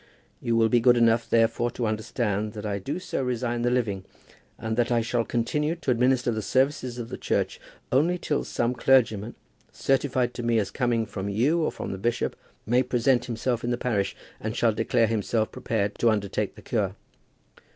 You will be good enough, therefore, to understand that I do so resign the living, and that I shall continue to administer the services of the church only till some clergyman, certified to me as coming from you or from the bishop, may present himself in the parish, and shall declare himself prepared to undertake the cure.